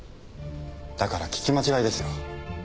だから聞き間違いですよ。